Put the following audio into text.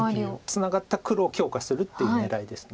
ツナがった黒を強化するっていう狙いです。